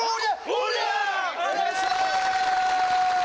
お願いしまーす！